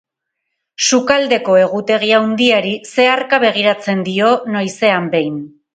Sukaldeko egutegi handiari zeharka begiratzen dio noizean behin.